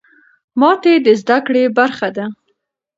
ماتې د زده کړې برخه ده.